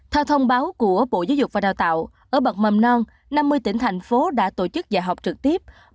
theo thông báo của bộ giáo dục và đào tạo ở bậc mầm non năm mươi tỉnh thành phố đã tổ chức dạy học trực tiếp